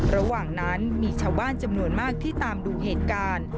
ระหว่างนั้นมีชาวบ้านจำนวนมากที่ตามดูเหตุการณ์